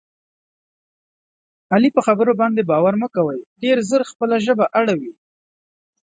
د علي په خبرو باندې باور مه کوئ. ډېر زر خپله ژبه اړوي.